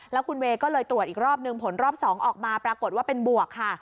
แล้วคุณเวย์ก็เลยตรวจอีกรอบนึงผลรอบ๒ออกมาปรากฏว่าเป็นบวกค่ะ